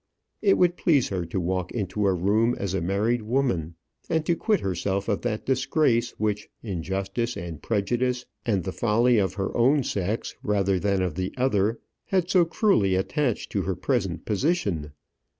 It would please her to walk into a room as a married woman, and to quit herself of that disgrace, which injustice and prejudice, and the folly of her own sex rather than of the other, had so cruelly attached to her present position.